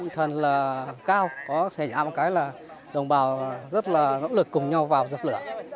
thần là cao có thể dạng một cái là đồng bào rất nỗ lực cùng nhau vào dập lửa